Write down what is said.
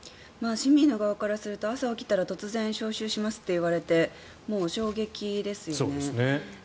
市民の側からすると朝起きたら突然招集しますと言われて衝撃ですよね。